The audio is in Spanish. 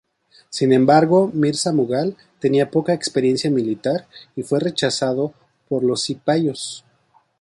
Sin embargo, Mirza Mughal tenía poca experiencia militar y fue rechazado por los cipayos.